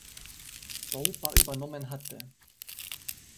Roper übernommen hatte.